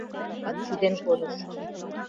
Адакат шӱден кодыш: